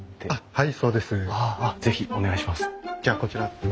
はい。